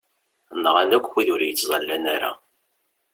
Nɣan akk wid ur yettẓallan ara.